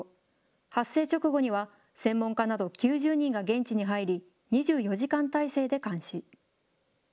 発生直後には、専門家など９０人が現地に入り、２４時間態勢で監視。